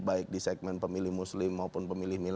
baik di segmen pemilih muslim maupun pemilih milenial